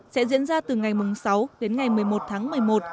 sẽ diễn ra từ ngày sáu đến ngày một mươi một tháng một mươi một